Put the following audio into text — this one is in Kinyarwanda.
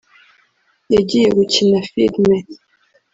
yagiye gukina filime